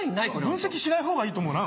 分析しないほうがいいと思うな。